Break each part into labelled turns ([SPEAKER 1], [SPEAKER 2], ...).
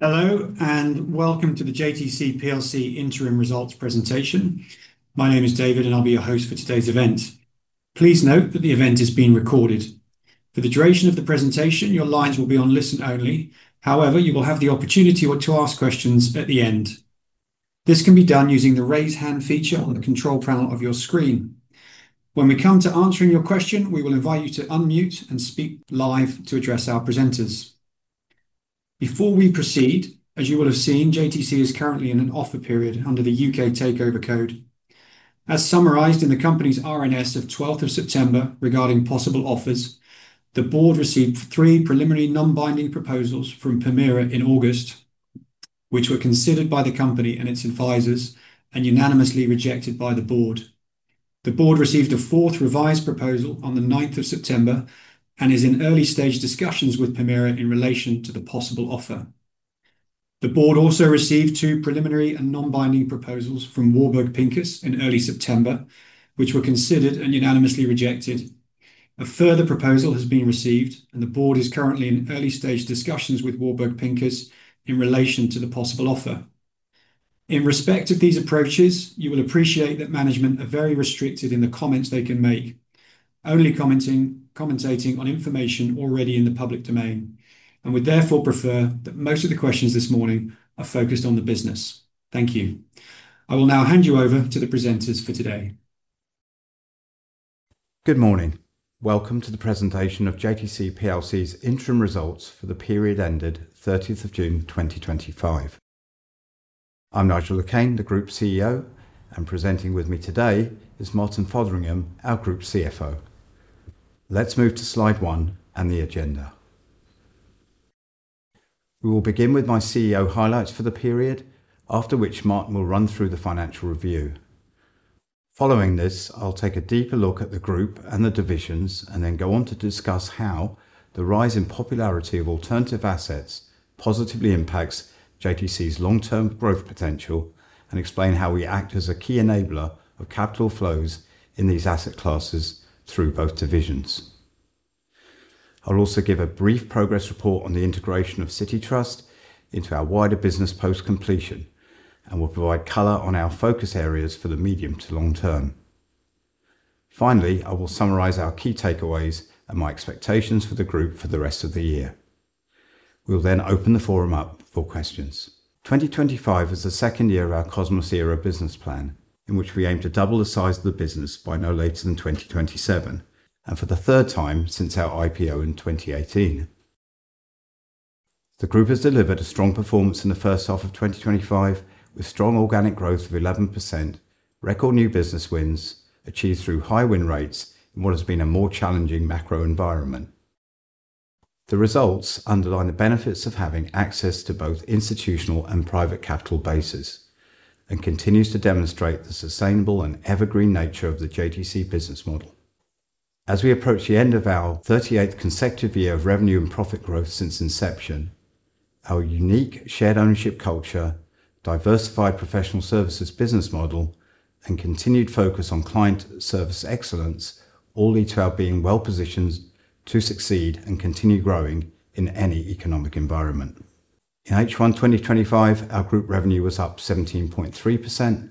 [SPEAKER 1] Hello and welcome to the JTC PLC interim results presentation. My name is David and I'll be your host for today's event. Please note that the event is being recorded. For the duration of the presentation, your lines will be on listen only. However, you will have the opportunity to ask questions at the end. This can be done using the raise hand feature on the control panel of your screen. When we come to answering your question, we will invite you to unmute and speak live to address our presenters. Before we proceed, as you will have seen, JTC is currently in an offer period under the UK Takeover Code. As summarized in the company's RNS of 12th of September regarding possible offers, the board received three preliminary non-binding proposals from Permira in August, which were considered by the company and its advisors and unanimously rejected by the board. The board received a fourth revised proposal on the 9th of September and is in early stage discussions with Permira in relation to the possible offer. The board also received two preliminary and non-binding proposals from Warburg Pincus in early September, which were considered and unanimously rejected. A further proposal has been received and the board is currently in early stage discussions with Warburg Pincus in relation to the possible offer. In respect of these approaches, you will appreciate that management are very restricted in the comments they can make, only commenting on information already in the public domain and would therefore prefer that most of the questions this morning are focused on the business. Thank you. I will now hand you over to the presenters for today.
[SPEAKER 2] Good morning. Welcome to the presentation of JTC PLC's interim results for the period ended June 30, 2025. I'm Nigel Le Quesne, the Group CEO, and presenting with me today is Martin Fotheringham, our Group CFO. Let's move to slide one and the agenda. We will begin with my CEO highlights for the period, after which Martin will run through the financial review. Following this, I'll take a deeper look at the group and the divisions and then go on to discuss how the rise in popularity of alternative assets positively impacts JTC's long-term growth potential and explain how we act as a key enabler of capital flows in these asset classes through both divisions. I'll also give a brief progress report on the integration of Citi Trust into our wider business post completion and will provide color on our focus areas for the medium to long term. Finally, I will summarize our key takeaways and my expectations for the group for the rest of the year. We'll then open the forum up for questions. 2025 is the second year of our Cosmos Era business plan, in which we aim to double the size of the business by no later than 2027 and for the third time since our IPO in 2018. The group has delivered a strong performance in the first half of 2025 with strong organic growth of 11%, record new business wins achieved through high win rates in what has been a more challenging macro environment. The results underline the benefits of having access to both institutional and private capital bases and continue to demonstrate the sustainable and evergreen nature of the JTC business model. As we approach the end of our 38th consecutive year of revenue and profit growth since inception, our unique shared ownership culture, diversified professional services business model, and continued focus on client service excellence all lead to our being well positioned to succeed and continue growing in any economic environment. In H1 2025, our group revenue was up 17.3%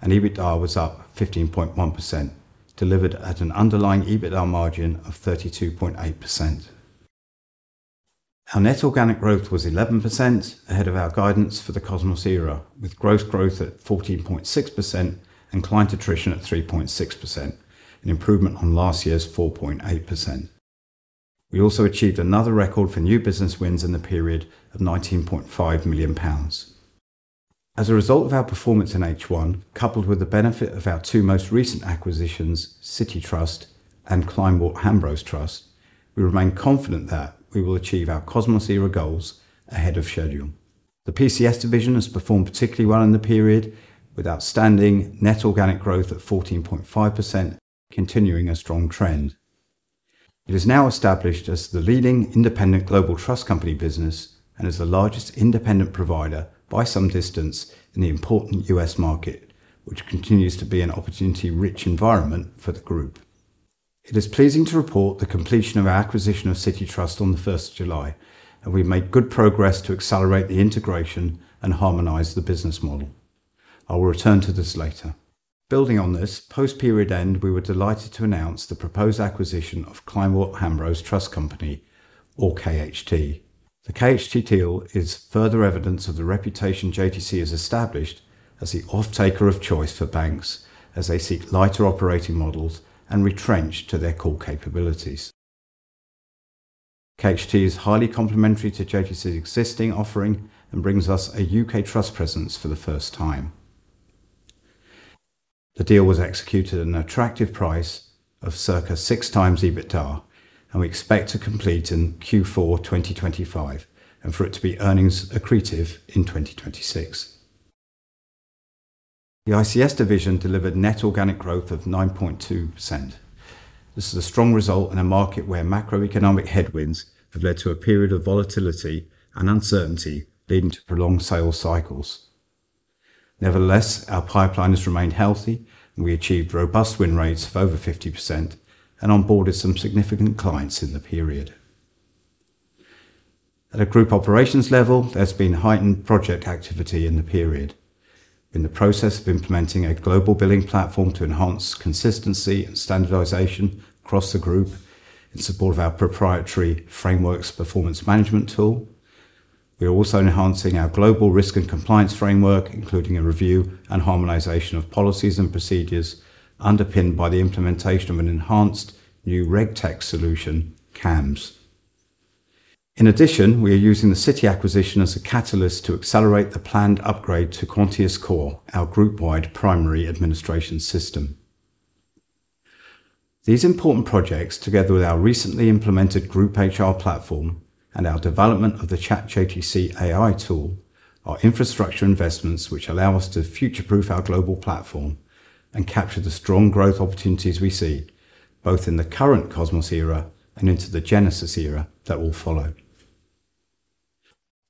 [SPEAKER 2] and EBITDA was up 15.1%, delivered at an underlying EBITDA margin of 32.8%. Our net organic growth was 11% ahead of our guidance for the Cosmos Era, with gross growth at 14.6% and client attrition at 3.6%, an improvement on last year's 4.8%. We also achieved another record for new business wins in the period of £19.5 million. As a result of our performance in H1, coupled with the benefit of our two most recent acquisitions, Citi Trust and Kleinwort Hambros Trust Company, we remain confident that we will achieve our Cosmos Era goals ahead of schedule. The PCS division has performed particularly well in the period, with outstanding net organic growth at 14.5%, continuing a strong trend. It is now established as the leading independent global trust company business and is the largest independent provider by some distance in the important U.S. market, which continues to be an opportunity-rich environment for the group. It is pleasing to report the completion of our acquisition of Citi Trust on the 1st of July, and we have made good progress to accelerate the integration and harmonize the business model. I will return to this later. Building on this, post-period end, we were delighted to announce the proposed acquisition of Kleinwort Hambros Trust Company, or KHT. The KHT deal is further evidence of the reputation JTC has established as the off-taker of choice for banks as they seek lighter operating models and retrench to their core capabilities. KHT is highly complementary to JTC's existing offering and brings us a UK trust presence for the first time. The deal was executed at an attractive price of circa six times EBITDA, and we expect to complete in Q4 2025 and for it to be earnings accretive in 2026. The ICS division delivered net organic growth of 9.2%. This is a strong result in a market where macroeconomic headwinds have led to a period of volatility and uncertainty leading to prolonged sales cycles. Nevertheless, our pipeline has remained healthy and we achieved robust win rates of over 50% and onboarded some significant clients in the period. At a group operations level, there's been heightened project activity in the period. In the process of implementing a global billing platform to enhance consistency and standardization across the group in support of our proprietary frameworks performance management tool, we are also enhancing our global risk and compliance framework, including a review and harmonization of policies and procedures underpinned by the implementation of an enhanced new regtech solution, CAMS. In addition, we are using the Citi acquisition as a catalyst to accelerate the planned upgrade to Quantius Core, our group-wide primary administration system. These important projects, together with our recently implemented group HR platform and our development of the Chat JTC AI tool, are infrastructure investments which allow us to future-proof our global platform and capture the strong growth opportunities we see, both in the current Cosmos Era and into the Genesis Era that will follow.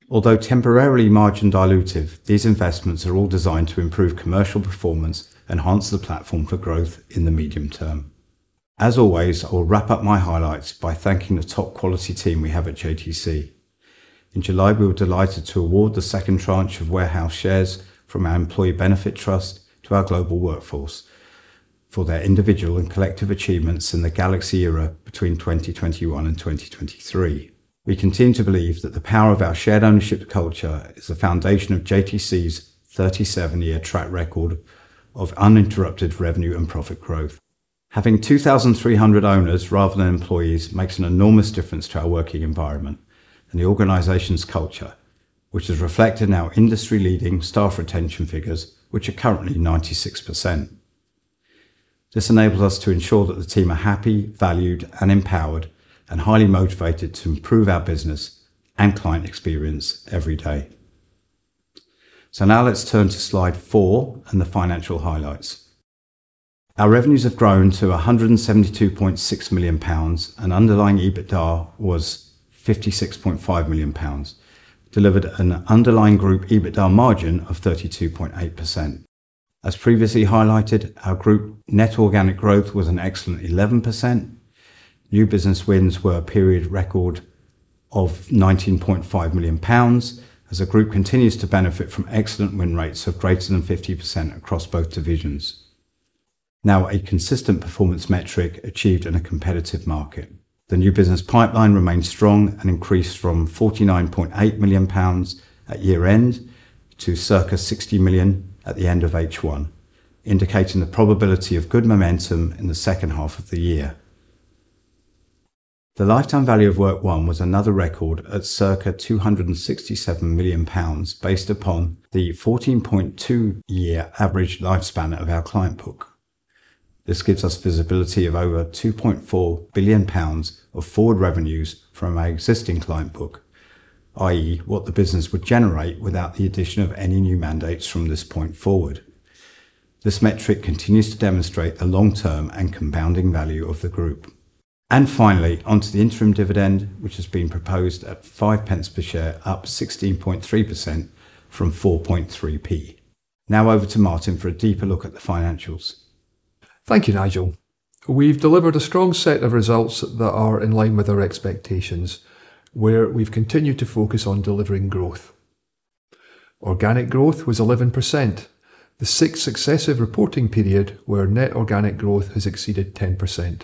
[SPEAKER 2] Although temporarily margin dilutive, these investments are all designed to improve commercial performance and enhance the platform for growth in the medium term. As always, I will wrap up my highlights by thanking the top quality team we have at JTC. In July, we were delighted to award the second tranche of warehouse shares from our employee benefit trust to our global workforce for their individual and collective achievements in the Galaxy Era between 2021 and 2023. We continue to believe that the power of our shared ownership culture is the foundation of JTC's 37-year track record of uninterrupted revenue and profit growth. Having 2,300 owners rather than employees makes an enormous difference to our working environment and the organization's culture, which is reflected in our industry-leading staff retention figures, which are currently 96%. This enables us to ensure that the team are happy, valued, and empowered, and highly motivated to improve our business and client experience every day. Now let's turn to slide four and the financial highlights. Our revenues have grown to £172.6 million, and underlying EBITDA was £56.5 million, delivering an underlying group EBITDA margin of 32.8%. As previously highlighted, our group net organic growth was an excellent 11%. New business wins were a period record of £19.5 million, as the group continues to benefit from excellent win rates of greater than 50% across both divisions, a consistent performance metric achieved in a competitive market. The new business pipeline remains strong and increased from £49.8 million at year end to circa £60 million at the end of H1, indicating the probability of good momentum in the second half of the year. The lifetime value of work won was another record at circa £267 million, based upon the 14.2-year average lifespan of our client book. This gives us visibility of over £2.4 billion of forward revenues from our existing client book, i.e., what the business would generate without the addition of any new mandates from this point forward. This metric continues to demonstrate a long-term and compounding value of the group. Finally, onto the interim dividend, which has been proposed at £0.05 per share, up 16.3% from £0.043. Now over to Martin for a deeper look at the financials.
[SPEAKER 3] Thank you, Nigel. We've delivered a strong set of results that are in line with our expectations, where we've continued to focus on delivering growth. Organic growth was 11%, the sixth successive reporting period where net organic growth has exceeded 10%.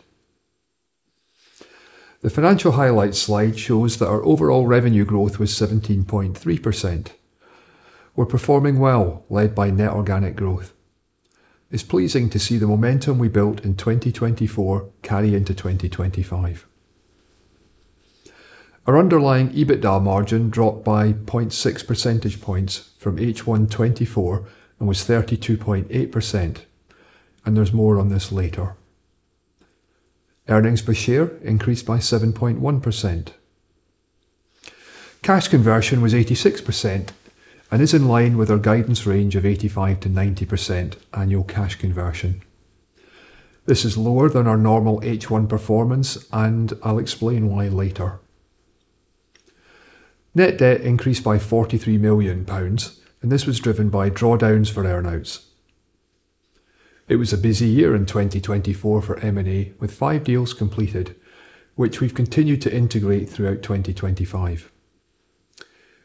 [SPEAKER 3] The financial highlights slide shows that our overall revenue growth was 17.3%. We're performing well, led by net organic growth. It's pleasing to see the momentum we built in 2024 carry into 2025. Our underlying EBITDA margin dropped by 0.6 percentage points from H1 2024 and was 32.8%, and there's more on this later. Earnings per share increased by 7.1%. Cash conversion was 86% and is in line with our guidance range of 85% to 90% annual cash conversion. This is lower than our normal H1 performance, and I'll explain why later. Net debt increased by £43 million, and this was driven by drawdowns for earnouts. It was a busy year in 2024 for M&A, with five deals completed, which we've continued to integrate throughout 2025.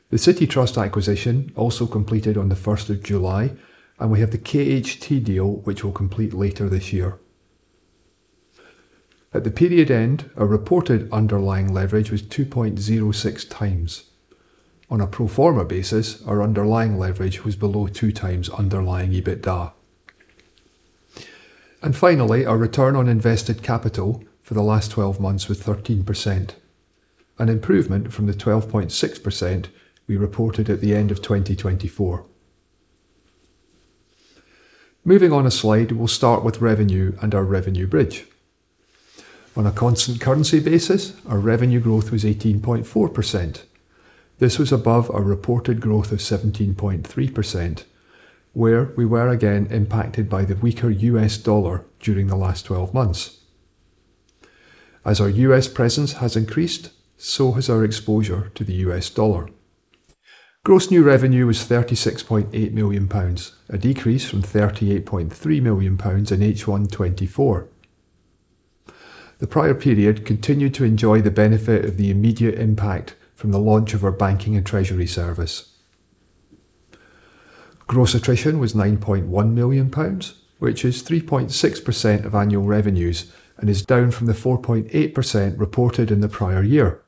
[SPEAKER 3] The Citi Trust acquisition also completed on the 1st of July, and we have the KHT deal, which we'll complete later this year. At the period end, our reported underlying leverage was 2.06 times. On a pro forma basis, our underlying leverage was below two times underlying EBITDA. Finally, our return on invested capital for the last 12 months was 13%, an improvement from the 12.6% we reported at the end of 2024. Moving on a slide, we'll start with revenue and our revenue bridge. On a constant currency basis, our revenue growth was 18.4%. This was above our reported growth of 17.3%, where we were again impacted by the weaker U.S. dollar during the last 12 months. As our U.S. presence has increased, so has our exposure to the U.S. dollar. Gross new revenue was £36.8 million, a decrease from £38.3 million in H1 2024. The prior period continued to enjoy the benefit of the immediate impact from the launch of our banking and treasury service. Gross attrition was £9.1 million, which is 3.6% of annual revenues and is down from the 4.8% reported in the prior year.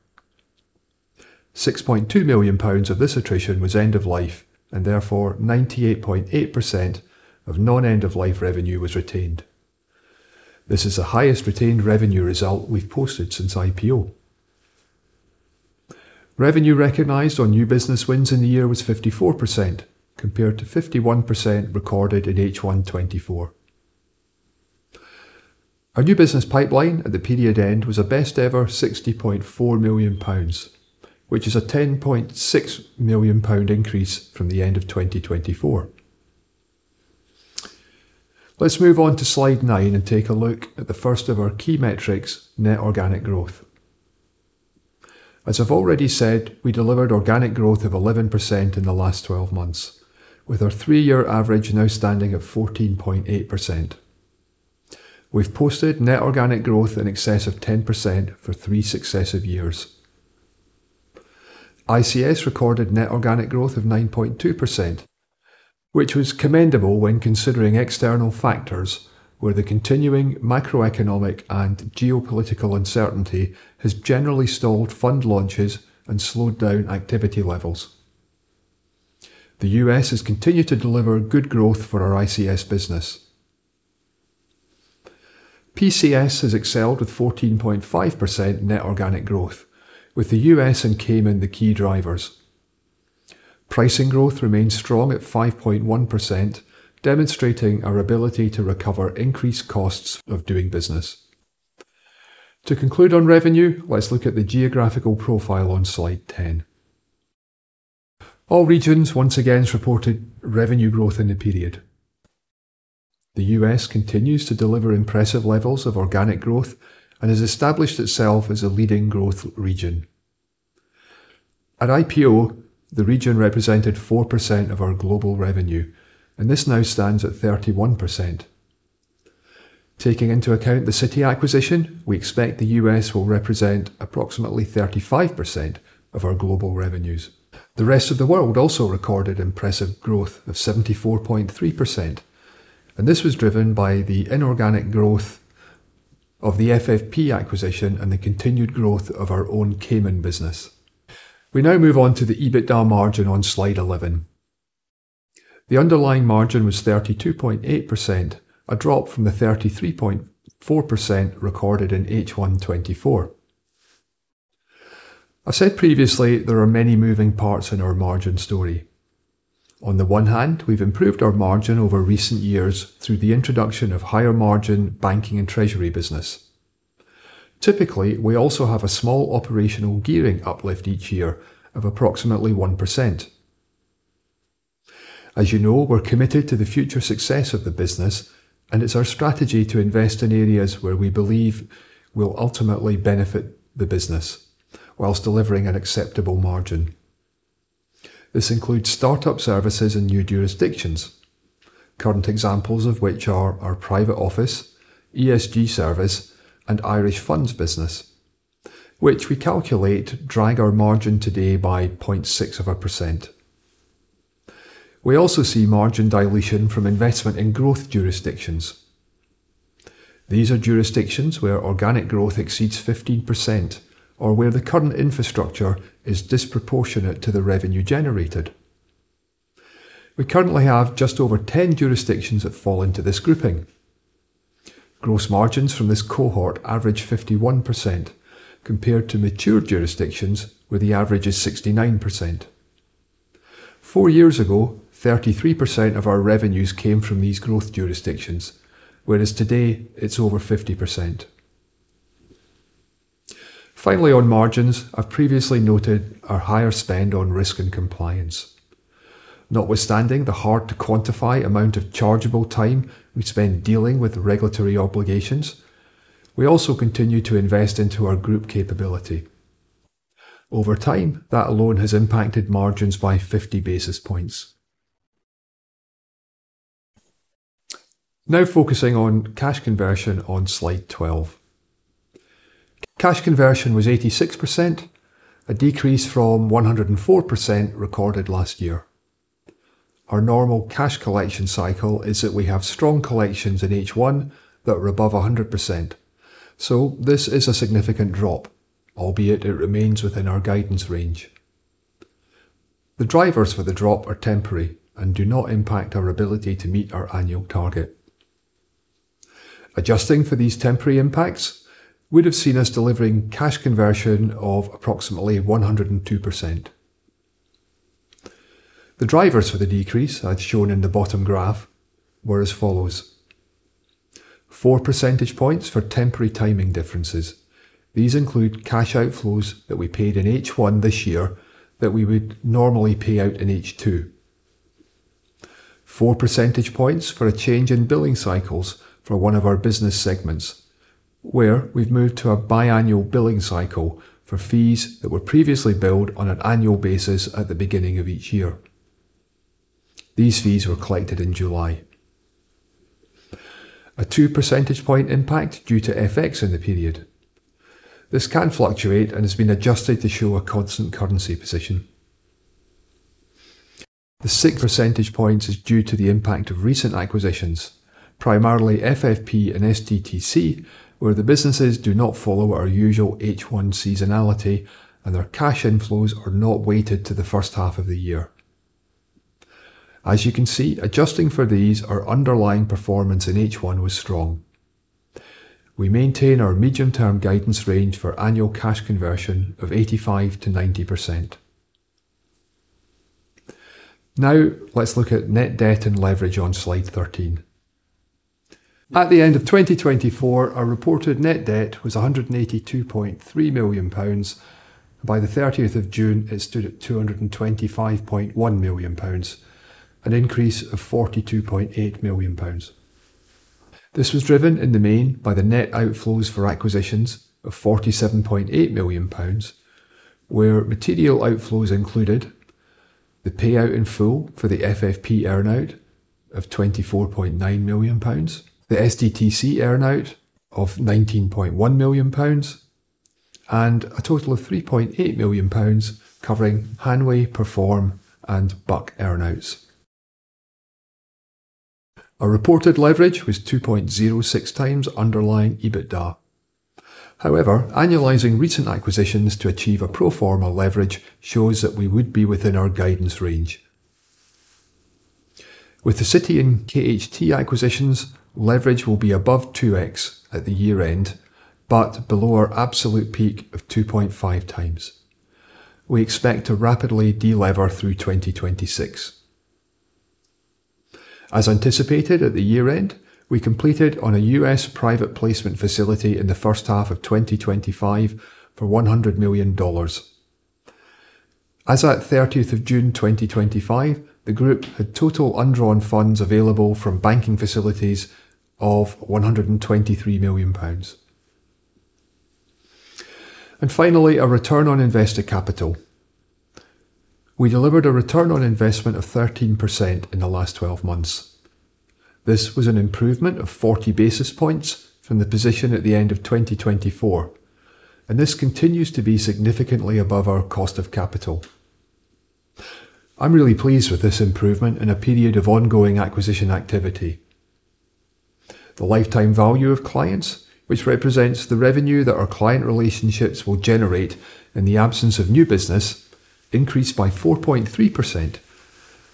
[SPEAKER 3] £6.2 million of this attrition was end-of-life, and therefore 98.8% of non-end-of-life revenue was retained. This is the highest retained revenue result we've posted since IPO. Revenue recognized on new business wins in the year was 54%, compared to 51% recorded in H1 2024. Our new business pipeline at the period end was a best ever £60.4 million, which is a £10.6 million increase from the end of 2024. Let's move on to slide nine and take a look at the first of our key metrics, net organic growth. As I've already said, we delivered organic growth of 11% in the last 12 months, with our three-year average now standing at 14.8%. We've posted net organic growth in excess of 10% for three successive years. ICS recorded net organic growth of 9.2%, which was commendable when considering external factors, where the continuing macroeconomic and geopolitical uncertainty has generally stalled fund launches and slowed down activity levels. The U.S. has continued to deliver good growth for our ICS business. PCS has excelled with 14.5% net organic growth, with the U.S. and Cayman the key drivers. Pricing growth remains strong at 5.1%, demonstrating our ability to recover increased costs of doing business. To conclude on revenue, let's look at the geographical profile on slide 10. All regions once again reported revenue growth in the period. The U.S. continues to deliver impressive levels of organic growth and has established itself as a leading growth region. At IPO, the region represented 4% of our global revenue, and this now stands at 31%. Taking into account the Citi Trust acquisition, we expect the U.S. will represent approximately 35% of our global revenues. The rest of the world also recorded impressive growth of 74.3%, and this was driven by the inorganic growth of the FFP acquisition and the continued growth of our own Cayman business. We now move on to the EBITDA margin on slide 11. The underlying margin was 32.8%, a drop from the 33.4% recorded in H1 2024. As said previously, there are many moving parts in our margin story. On the one hand, we've improved our margin over recent years through the introduction of higher margin banking and treasury business. Typically, we also have a small operational gearing uplift each year of approximately 1%. As you know, we're committed to the future success of the business, and it's our strategy to invest in areas where we believe will ultimately benefit the business, whilst delivering an acceptable margin. This includes startup services in new jurisdictions, current examples of which are our private office, ESG service, and Irish funds business, which we calculate drag our margin today by 0.6%. We also see margin dilution from investment in growth jurisdictions. These are jurisdictions where organic growth exceeds 15% or where the current infrastructure is disproportionate to the revenue generated. We currently have just over 10 jurisdictions that fall into this grouping. Gross margins from this cohort average 51% compared to mature jurisdictions, where the average is 69%. Four years ago, 33% of our revenues came from these growth jurisdictions, whereas today it's over 50%. Finally, on margins, I've previously noted our higher spend on risk and compliance. Notwithstanding the hard-to-quantify amount of chargeable time we spend dealing with regulatory obligations, we also continue to invest into our group capability. Over time, that alone has impacted margins by 50 basis points. Now focusing on cash conversion on slide 12. Cash conversion was 86%, a decrease from 104% recorded last year. Our normal cash collection cycle is that we have strong collections in H1 that are above 100%, so this is a significant drop, albeit it remains within our guidance range. The drivers for the drop are temporary and do not impact our ability to meet our annual target. Adjusting for these temporary impacts, we'd have seen us delivering cash conversion of approximately 102%. The drivers for the decrease, as shown in the bottom graph, were as follows: four percentage points for temporary timing differences. These include cash outflows that we paid in H1 this year that we would normally pay out in H2. Four percentage points for a change in billing cycles for one of our business segments, where we've moved to a biannual billing cycle for fees that were previously billed on an annual basis at the beginning of each year. These fees were collected in July. A two percentage point impact due to FX in the period. This can fluctuate and has been adjusted to show a constant currency position. The six percentage points are due to the impact of recent acquisitions, primarily FFP and SDTC, where the businesses do not follow our usual H1 seasonality and their cash inflows are not weighted to the first half of the year. As you can see, adjusting for these, our underlying performance in H1 was strong. We maintain our medium-term guidance range for annual cash conversion of 85% to 90%. Now let's look at net debt and leverage on slide 13. At the end of 2024, our reported net debt was £182.3 million. By the 30th of June, it stood at £225.1 million, an increase of £42.8 million. This was driven in the main by the net outflows for acquisitions of £47.8 million, where material outflows included the payout inflow for the FFP earnout of £24.9 million, the SDTC earnout of £19.1 million, and a total of £3.8 million covering Hanway, Perform, and Buck earnouts. Our reported leverage was 2.06 times underlying EBITDA. However, annualizing recent acquisitions to achieve a pro forma leverage shows that we would be within our guidance range. With the Citi Trust and KHT acquisitions, leverage will be above 2x at the year-end, but below our absolute peak of 2.5 times. We expect to rapidly delever through 2026. As anticipated at the year-end, we completed on a U.S. private placement facility in the first half of 2025 for $100 million. As at June 30, 2025, the group had total undrawn funds available from banking facilities of £123 million. Finally, a return on invested capital. We delivered a return on investment of 13% in the last 12 months. This was an improvement of 40 basis points from the position at the end of 2024, and this continues to be significantly above our cost of capital. I'm really pleased with this improvement in a period of ongoing acquisition activity. The lifetime value of clients, which represents the revenue that our client relationships will generate in the absence of new business, increased by 4.3%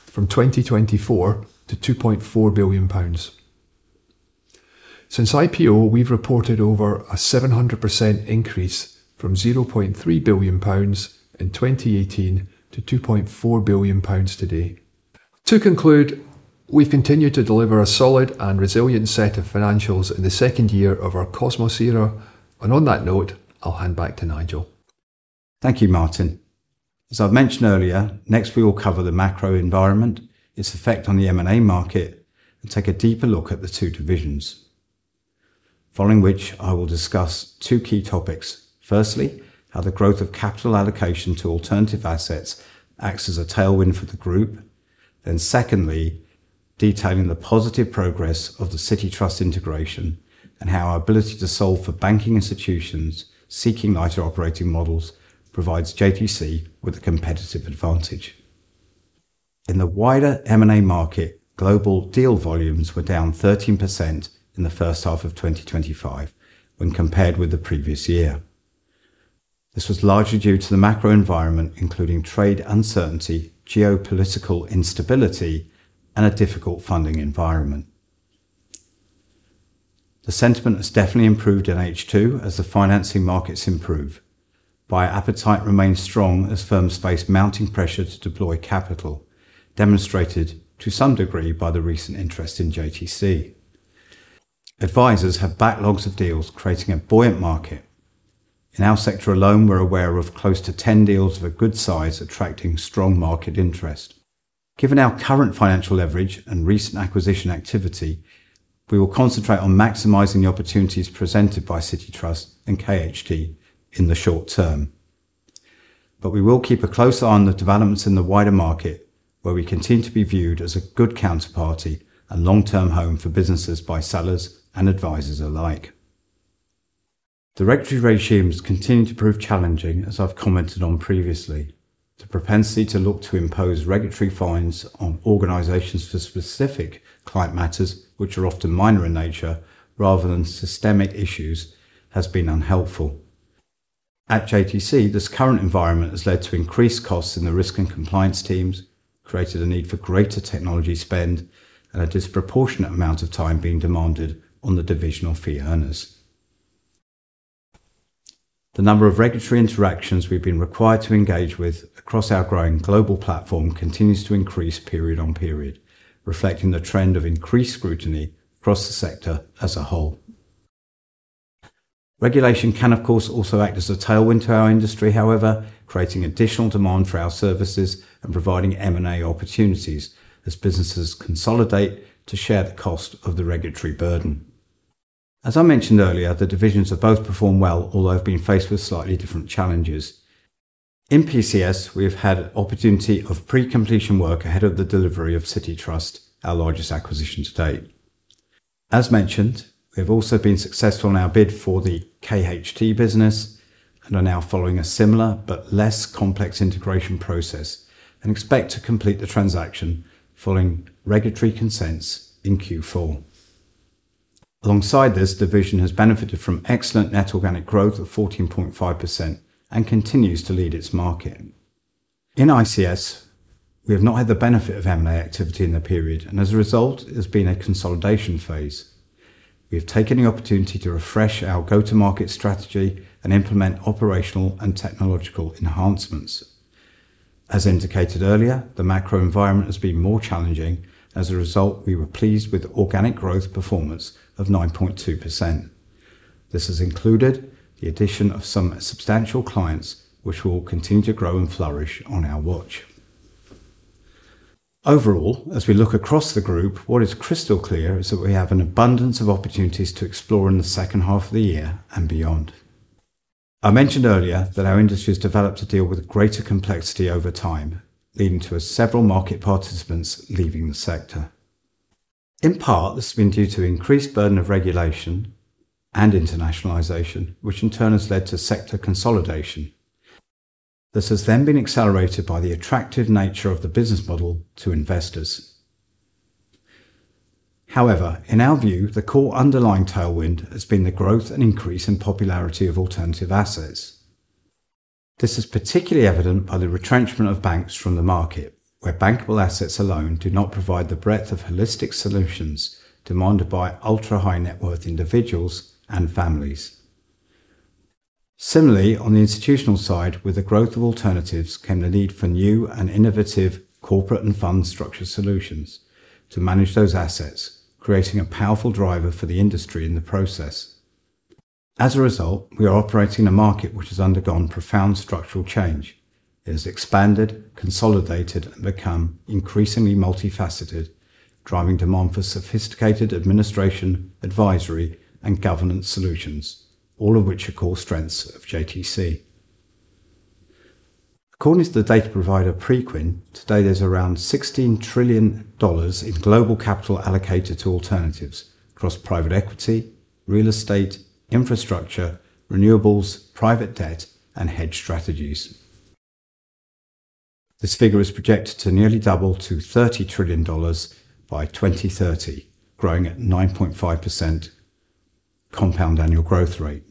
[SPEAKER 3] from 2024 to £2.4 billion. Since IPO, we've reported over a 700% increase from £0.3 billion in 2018 to £2.4 billion today. To conclude, we've continued to deliver a solid and resilient set of financials in the second year of our Cosmos Era, and on that note, I'll hand back to Nigel.
[SPEAKER 2] Thank you, Martin. As I've mentioned earlier, next we will cover the macro environment, its effect on the M&A market, and take a deeper look at the two divisions, following which I will discuss two key topics. Firstly, how the growth of capital allocation to alternative assets acts as a tailwind for the group. Secondly, detailing the positive progress of the Citi Trust integration and how our ability to solve for banking institutions seeking lighter operating models provides JTC with a competitive advantage. In the wider M&A market, global deal volumes were down 13% in the first half of 2025 when compared with the previous year. This was largely due to the macro environment, including trade uncertainty, geopolitical instability, and a difficult funding environment. The sentiment has definitely improved in H2 as the financing markets improve. Buyer appetite remains strong as firms face mounting pressure to deploy capital, demonstrated to some degree by the recent interest in JTC. Advisors have backlogs of deals, creating a buoyant market. In our sector alone, we're aware of close to 10 deals of a good size, attracting strong market interest. Given our current financial leverage and recent acquisition activity, we will concentrate on maximizing the opportunities presented by Citi Trust and KHT in the short term. We will keep a close eye on the developments in the wider market, where we continue to be viewed as a good counterparty and long-term home for businesses by sellers and advisors alike. The regulatory regimes continue to prove challenging, as I've commented on previously. The propensity to look to impose regulatory fines on organizations for specific client matters, which are often minor in nature rather than systemic issues, has been unhelpful. At JTC, this current environment has led to increased costs in the risk and compliance teams, created a need for greater technology spend, and a disproportionate amount of time being demanded on the divisional fee earners. The number of regulatory interactions we've been required to engage with across our growing global platform continues to increase period on period, reflecting the trend of increased scrutiny across the sector as a whole. Regulation can, of course, also act as a tailwind to our industry, however, creating additional demand for our services and providing M&A opportunities as businesses consolidate to share the cost of the regulatory burden. As I mentioned earlier, the divisions have both performed well, although they've been faced with slightly different challenges. In PCS, we've had an opportunity of pre-completion work ahead of the delivery of Citi Trust, our largest acquisition to date. As mentioned, we've also been successful in our bid for the KHT business and are now following a similar but less complex integration process and expect to complete the transaction following regulatory consents in Q4. Alongside this, the division has benefited from excellent net organic growth of 14.5% and continues to lead its market. In ICS, we have not had the benefit of M&A activity in the period, and as a result, it has been a consolidation phase. We've taken the opportunity to refresh our go-to-market strategy and implement operational and technological enhancements. As indicated earlier, the macro environment has been more challenging, and as a result, we were pleased with organic growth performance of 9.2%. This has included the addition of some substantial clients, which will continue to grow and flourish on our watch. Overall, as we look across the group, what is crystal clear is that we have an abundance of opportunities to explore in the second half of the year and beyond. I mentioned earlier that our industry has developed to deal with greater complexity over time, leading to several market participants leaving the sector. In part, this has been due to increased burden of regulation and internationalisation, which in turn has led to sector consolidation. This has then been accelerated by the attractive nature of the business model to investors. However, in our view, the core underlying tailwind has been the growth and increase in popularity of alternative assets. This is particularly evident by the retrenchment of banks from the market, where bankable assets alone do not provide the breadth of holistic solutions demanded by ultra-high net worth individuals and families. Similarly, on the institutional side, with the growth of alternatives came the need for new and innovative corporate and fund structure solutions to manage those assets, creating a powerful driver for the industry in the process. As a result, we are operating in a market which has undergone profound structural change. It has expanded, consolidated, and become increasingly multifaceted, driving demand for sophisticated administration, advisory, and governance solutions, all of which are core strengths of JTC. According to the data provider Preqin, today there's around $16 trillion in global capital allocated to alternatives across private equity, real estate, infrastructure, renewables, private debt, and hedge strategies. This figure is projected to nearly double to $30 trillion by 2030, growing at 9.5% compound annual growth rate.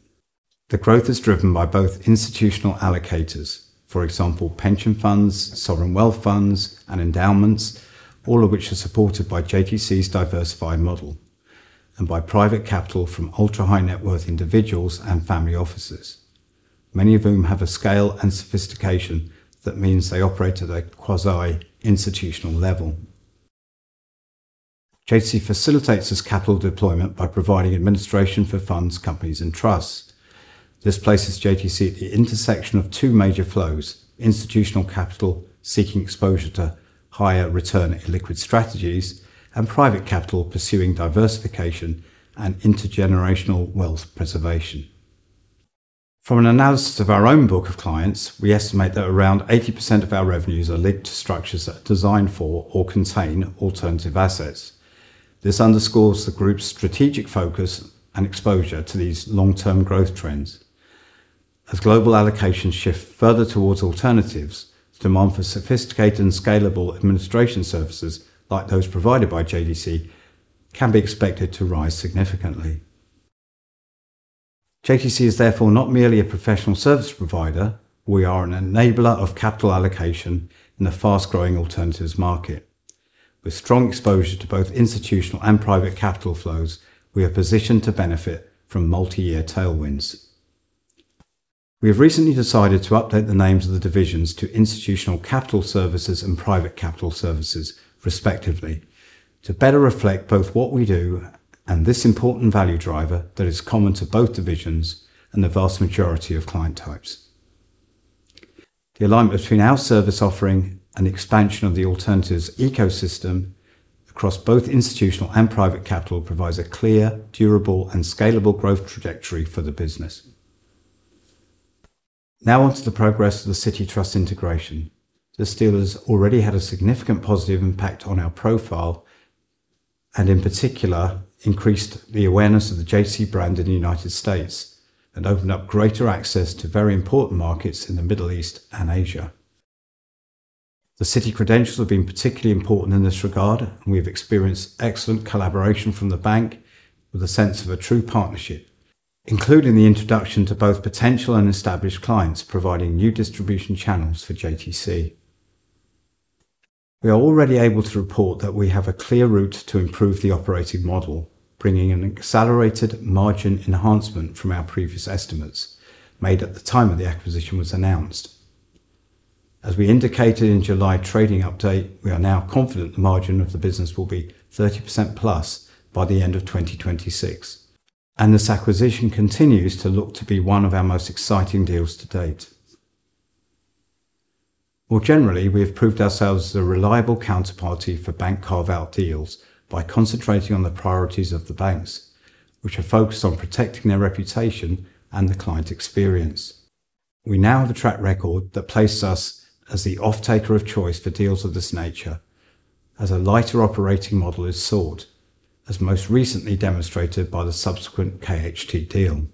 [SPEAKER 2] The growth is driven by both institutional allocators, for example, pension funds, sovereign wealth funds, and endowments, all of which are supported by JTC's diversified model and by private capital from ultra-high net worth individuals and family offices, many of whom have a scale and sophistication that means they operate at a quasi-institutional level. JTC facilitates its capital deployment by providing administration for funds, companies, and trusts. This places JTC at the intersection of two major flows: institutional capital seeking exposure to higher return illiquid strategies and private capital pursuing diversification and intergenerational wealth preservation. From an analysis of our own book of clients, we estimate that around 80% of our revenues are linked to structures that are designed for or contain alternative assets. This underscores the group's strategic focus and exposure to these long-term growth trends. As global allocations shift further towards alternatives, demand for sophisticated and scalable administration services, like those provided by JTC, can be expected to rise significantly. JTC is therefore not merely a professional service provider; we are an enabler of capital allocation in the fast-growing alternatives market. With strong exposure to both institutional and private capital flows, we are positioned to benefit from multi-year tailwinds. We have recently decided to update the names of the divisions to Institutional Client Services and Private Client Services, respectively, to better reflect both what we do and this important value driver that is common to both divisions and the vast majority of client types. The alignment between our service offering and the expansion of the alternatives ecosystem across both institutional and private capital provides a clear, durable, and scalable growth trajectory for the business. Now onto the progress of the Citi Trust integration. This deal has already had a significant positive impact on our profile and, in particular, increased the awareness of the JTC brand in the US and opened up greater access to very important markets in the Middle East and Asia. The Citi Trust credentials have been particularly important in this regard, and we have experienced excellent collaboration from the bank with a sense of a true partnership, including the introduction to both potential and established clients, providing new distribution channels for JTC. We are already able to report that we have a clear route to improve the operating model, bringing an accelerated margin enhancement from our previous estimates made at the time the acquisition was announced. As we indicated in the July trading update, we are now confident the margin of the business will be 30% plus by the end of 2026, and this acquisition continues to look to be one of our most exciting deals to date. More generally, we have proved ourselves as a reliable counterparty for bank carve-out deals by concentrating on the priorities of the banks, which are focused on protecting their reputation and the client experience. We now have a track record that places us as the off-taker of choice for deals of this nature, as a lighter operating model is sought, as most recently demonstrated by the subsequent KHT deal.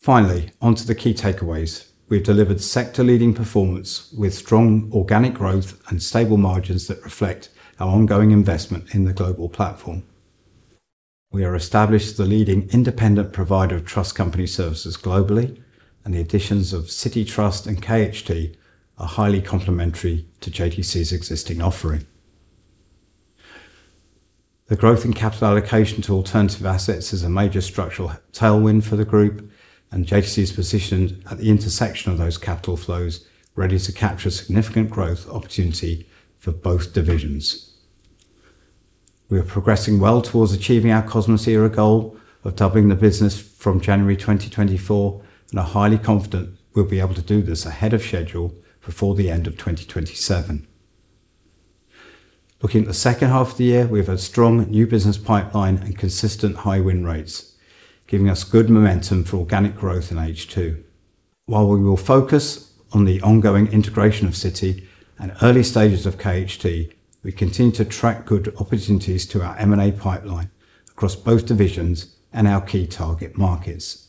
[SPEAKER 2] Finally, onto the key takeaways, we have delivered sector-leading performance with strong organic growth and stable margins that reflect our ongoing investment in the global platform. We are established as the leading independent provider of trust company services globally, and the additions of Citi Trust and KHT are highly complementary to JTC's existing offering. The growth in capital allocation to alternative assets is a major structural tailwind for the group, and JTC is positioned at the intersection of those capital flows, ready to capture significant growth opportunity for both divisions. We are progressing well towards achieving our Cosmos Era goal of doubling the business from January 2024, and are highly confident we'll be able to do this ahead of schedule before the end of 2027. Looking at the second half of the year, we have a strong new business pipeline and consistent high win rates, giving us good momentum for organic growth in H2. While we will focus on the ongoing integration of Citi Trust and early stages of KHT, we continue to attract good opportunities to our M&A pipeline across both divisions and our key target markets.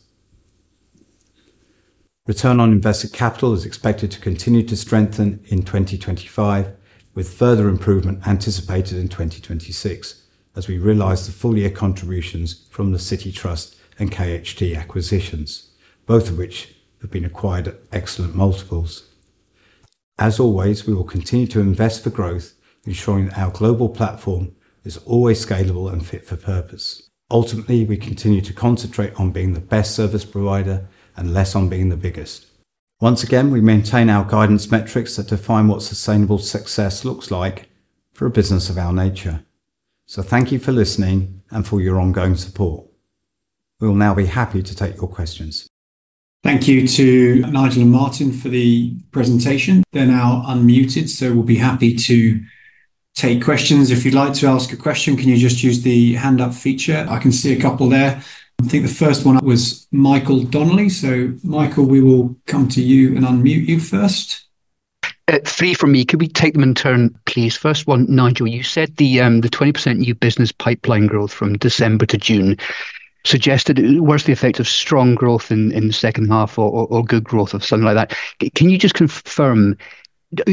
[SPEAKER 2] Return on invested capital is expected to continue to strengthen in 2025, with further improvement anticipated in 2026 as we realize the full-year contributions from the Citi Trust and KHT acquisitions, both of which have been acquired at excellent multiples. As always, we will continue to invest for growth, ensuring that our global platform is always scalable and fit for purpose. Ultimately, we continue to concentrate on being the best service provider and less on being the biggest. Once again, we maintain our guidance metrics that define what sustainable success looks like for a business of our nature. Thank you for listening and for your ongoing support. We will now be happy to take your questions.
[SPEAKER 1] Thank you to Nigel and Martin for the presentation. They're now unmuted, so we'll be happy to take questions. If you'd like to ask a question, can you just use the hand-up feature? I can see a couple there. I think the first one was Michael Donnelly. Michael, we will come to you and unmute you first.
[SPEAKER 4] Three from me. Could we take them in turn, please? First one, Nigel, you said the 20% new business pipeline growth from December to June suggested it was the effect of strong growth in the second half or good growth or something like that. Can you just confirm,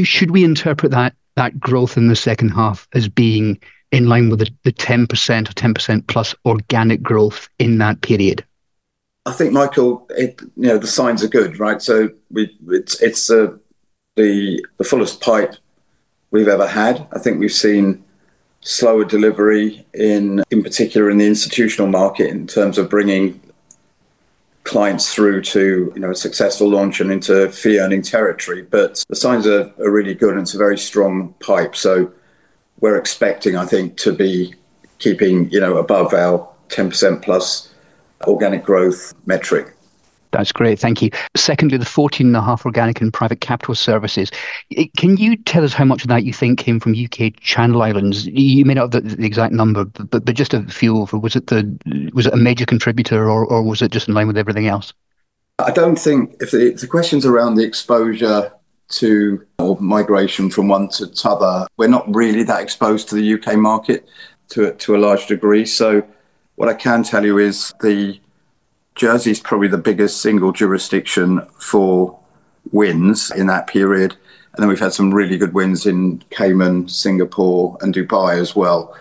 [SPEAKER 4] should we interpret that growth in the second half as being in line with the 10% or 10%+ organic growth in that period?
[SPEAKER 2] I think, Michael, you know the signs are good, right? It's the fullest pipe we've ever had. I think we've seen slower delivery in particular in the institutional market in terms of bringing clients through to a successful launch and into fee-earning territory. The signs are really good and it's a very strong pipe. We're expecting, I think, to be keeping above our 10%+ organic growth metric.
[SPEAKER 4] That's great. Thank you. Secondly, the 14.5% organic in Private Client Services, can you tell us how much of that you think came from UK Channel Islands? You may not have the exact number, but just a few. Was it a major contributor or was it just in line with everything else?
[SPEAKER 2] I don't think if the question's around the exposure to or migration from one to another, we're not really that exposed to the UK market to a large degree. What I can tell you is Jersey is probably the biggest single jurisdiction for wins in that period, and we've had some really good wins in Cayman, Singapore, and Dubai as well.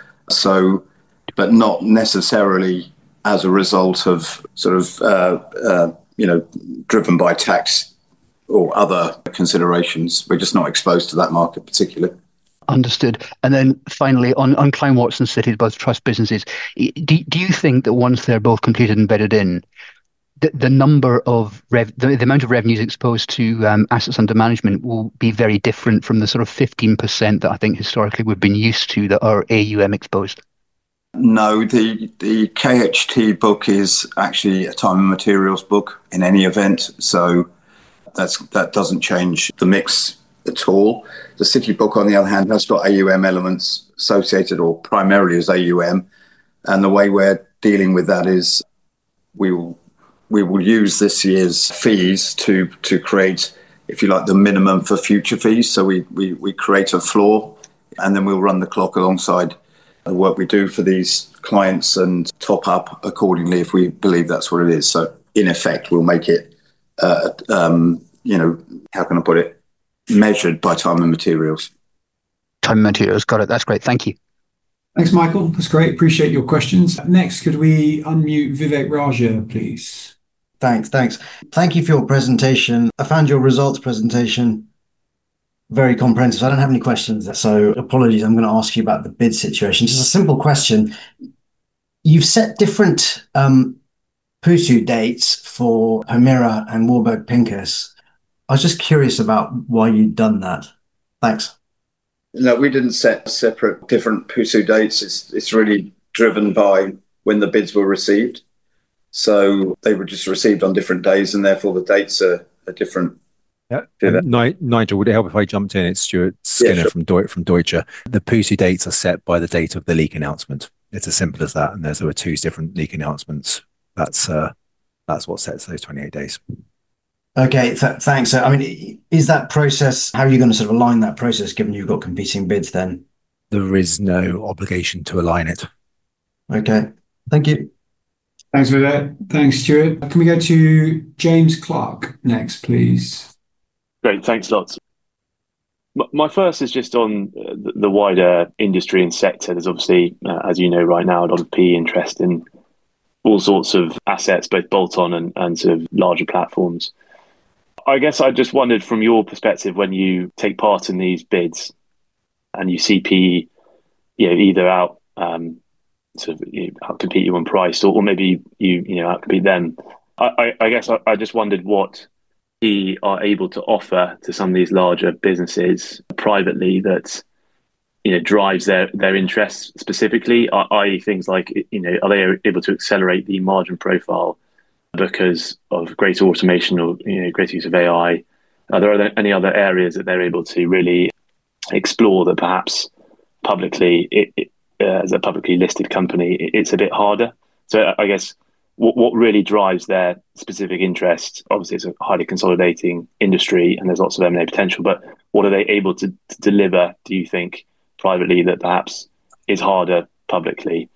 [SPEAKER 2] Not necessarily as a result of, you know, driven by tax or other considerations. We're just not exposed to that market particularly.
[SPEAKER 4] Understood. Finally, on Kleinwort and Citi Trust's both trust businesses, do you think that once they're both completed and bedded in, the amount of revenues exposed to assets under management will be very different from the sort of 15% that I think historically we've been used to that are AUM exposed?
[SPEAKER 2] No, the KHT book is actually a time and materials book in any event. That doesn't change the mix at all. The Citi Trust book, on the other hand, has got AUM elements associated or primarily as AUM. The way we're dealing with that is we will use this year's fees to create, if you like, the minimum for future fees. We create a floor, and then we'll run the clock alongside the work we do for these clients and top up accordingly if we believe that's what it is. In effect, we'll make it, you know, how can I put it, measured by time and materials.
[SPEAKER 4] Time and materials. Got it. That's great. Thank you.
[SPEAKER 1] Thanks, Michael. That's great. Appreciate your questions. Next, could we unmute Vivek Raja, please?
[SPEAKER 5] Thanks. Thank you for your presentation. I found your results presentation very comprehensive. I don't have any questions. Apologies, I'm going to ask you about the bid situation. Just a simple question. You've set different PUSU dates for Permira and Warburg Pincus. I was just curious about why you'd done that. Thanks.
[SPEAKER 2] No, we didn't set separate different PUSU dates. It's really driven by when the bids were received. They were just received on different days and therefore the dates are different.
[SPEAKER 6] Nigel, would it help if I jumped in? It's Stuart from Deutsche. The PUSU dates are set by the date of the leak announcement. It's as simple as that. There's two different leak announcements. That's what sets those 28 days.
[SPEAKER 7] Okay, thanks. I mean, is that process, how are you going to sort of align that process given you've got competing bids then?
[SPEAKER 6] There is no obligation to align it.
[SPEAKER 7] Okay, thank you.
[SPEAKER 6] Thanks, Vivek.
[SPEAKER 1] Thanks, Stuart. Can we go to James Clark next, please?
[SPEAKER 6] Great, thanks a lot. My first is just on the wider industry and sector. There's obviously, as you know, right now, a lot of PE interest in all sorts of assets, both bolt-on and sort of larger platforms. I guess I just wondered from your perspective, when you take part in these bids and you see PE either outcompete you on price or maybe you outcompete them, I guess I just wondered what PE are able to offer to some of these larger businesses privately that drives their interest specifically, i.e. things like, are they able to accelerate the margin profile because of greater automation or greater use of AI? Are there any other areas that they're able to really explore that perhaps publicly, as a publicly listed company, it's a bit harder? I guess what really drives their specific interest obviously is a highly consolidating industry and there's lots of M&A potential, but what are they able to deliver, do you think, privately that perhaps is harder publicly?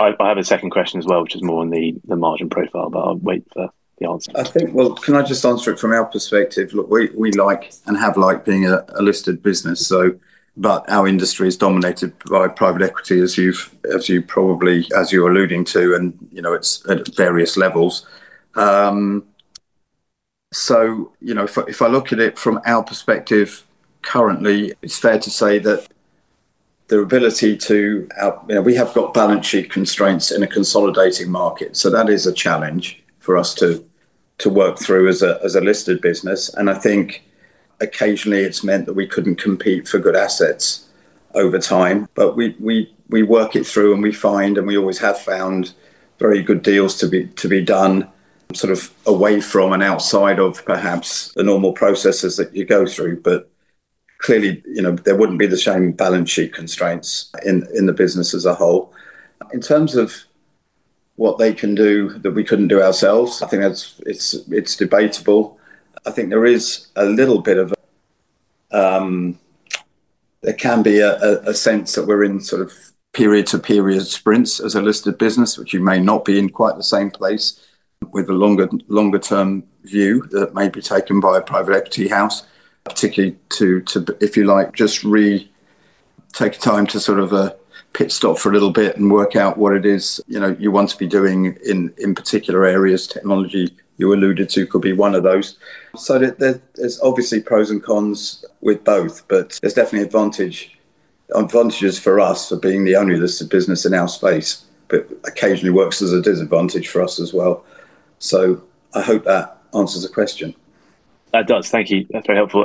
[SPEAKER 6] I have a second question as well, which is more on the margin profile, but I'll wait for the answer.
[SPEAKER 2] I think, can I just answer it from our perspective? Look, we like and have liked being a listed business, but our industry is dominated by private equity, as you probably, as you were alluding to, and it's at various levels. If I look at it from our perspective currently, it's fair to say that the ability to, you know, we have got balance sheet constraints in a consolidating market. That is a challenge for us to work through as a listed business. I think occasionally it's meant that we couldn't compete for good assets over time, but we work it through and we find, and we always have found very good deals to be done sort of away from and outside of perhaps the normal processes that you go through. Clearly, there wouldn't be the same balance sheet constraints in the business as a whole. In terms of what they can do that we couldn't do ourselves, I think it's debatable. I think there is a little bit of, there can be a sense that we're in sort of period-to-period sprints as a listed business, which you may not be in quite the same place with a longer-term view that may be taken by a private equity house, particularly to, if you like, just re-take time to sort of pit stop for a little bit and work out what it is, you know, you want to be doing in particular areas. Technology you alluded to could be one of those. There are obviously pros and cons with both, but there's definitely advantages for us for being the only listed business in our space. Occasionally it works as a disadvantage for us as well. I hope that answers the question.
[SPEAKER 6] Thank you. That's very helpful.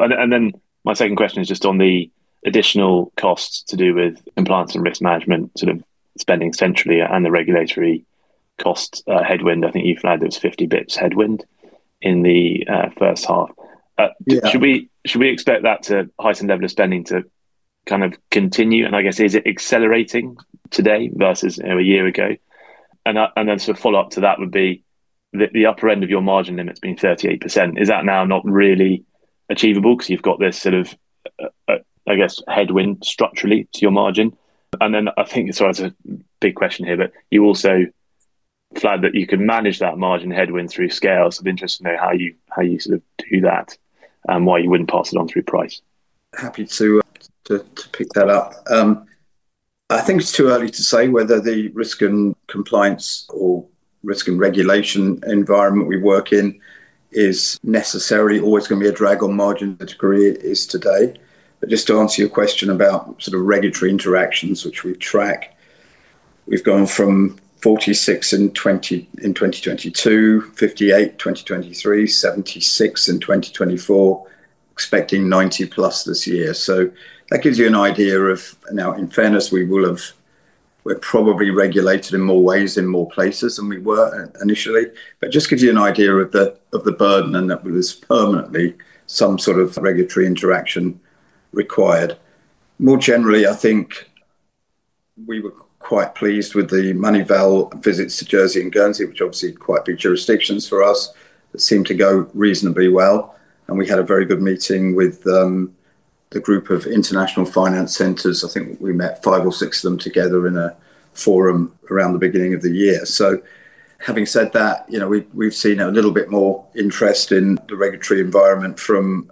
[SPEAKER 6] My second question is just on the additional costs to do with implementing risk management, sort of spending centrally and the regulatory cost headwind. I think you flagged it as a 50 bps headwind in the first half. Should we expect that to heighten the level of spending to kind of continue? I guess is it accelerating today versus a year ago? A follow up to that would be the upper end of your margin limits being 38%. Is that now not really achievable because you've got this sort of, I guess, headwind structurally to your margin? I think it's a big question here, but you also flagged that you can manage that margin headwind through scale. It'd be interesting to know how you sort of do that and why you wouldn't pass it on through price.
[SPEAKER 2] Happy to pick that up. I think it's too early to say whether the risk and compliance or risk and regulation environment we work in is necessarily always going to be a drag on margin as the career is today. Just to answer your question about sort of regulatory interactions, which we track, we've gone from 46 in 2022, 58 in 2023, 76 in 2024, expecting 90+ this year. That gives you an idea of now, in fairness, we will have, we're probably regulated in more ways in more places than we were initially. It just gives you an idea of the burden and that there's permanently some sort of regulatory interaction required. More generally, I think we were quite pleased with the MoneyVal visits to Jersey and Guernsey, which are obviously quite big jurisdictions for us, that seemed to go reasonably well. We had a very good meeting with the group of international finance centers. I think we met five or six of them together in a forum around the beginning of the year. Having said that, you know, we've seen a little bit more interest in the regulatory environment from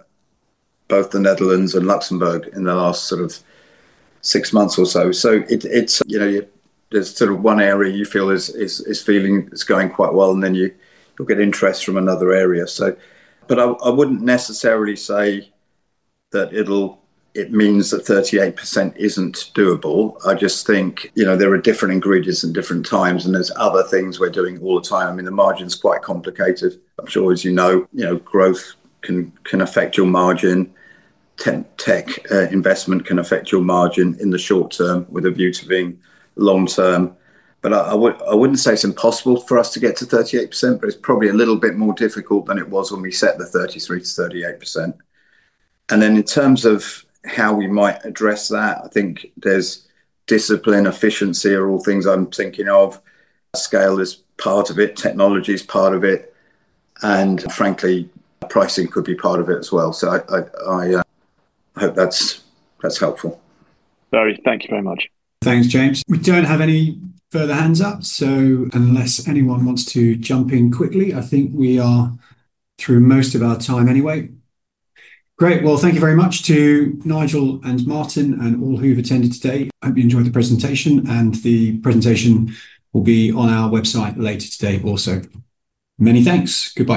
[SPEAKER 2] both the Netherlands and Luxembourg in the last sort of six months or so. There's sort of one area you feel is going quite well, and then you get interest from another area. I wouldn't necessarily say that it means that 38% isn't doable. I just think there are different ingredients in different times, and there's other things we're doing all the time. The margin's quite complicated. I'm sure, as you know, growth can affect your margin. Tech investment can affect your margin in the short term with a view to being long term. I wouldn't say it's impossible for us to get to 38%, but it's probably a little bit more difficult than it was when we set the 33% to 38%. In terms of how we might address that, I think there's discipline, efficiency are all things I'm thinking of. Scale is part of it, technology is part of it, and frankly, pricing could be part of it as well. I hope that's helpful.
[SPEAKER 6] Thank you very much.
[SPEAKER 1] Thanks, James. We don't have any further hands up, so unless anyone wants to jump in quickly, I think we are through most of our time anyway. Great. Thank you very much to Nigel and Martin and all who've attended today. I hope you enjoyed the presentation, and the presentation will be on our website later today also. Many thanks. Goodbye.